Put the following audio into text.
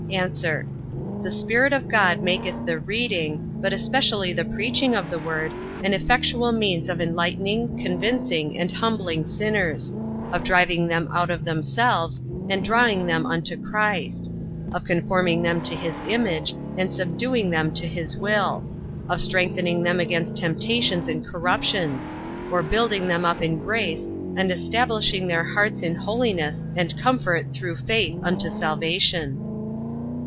A. The Spirit of God maketh the reading, but especially the preaching of the word, an effectual means of enlightening, convincing, and humbling sinners; of driving them out of themselves, and drawing them unto Christ; of conforming them to his image, and subduing them to his will; of strengthening them against temptations and corruptions; of building them up in grace, and establishing their hearts in holiness and comfort through faith unto salvation.